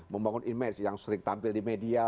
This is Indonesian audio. membangun image yang sering tampil di media